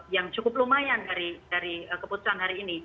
yang cukup lumayan dari keputusan hari ini